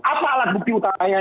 apa alat bukti utamanya